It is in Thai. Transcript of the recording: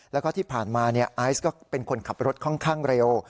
แล้วก็ที่ผ่านมาไอซ์ก็เป็นคนขับรถค่อนข้างเร็ว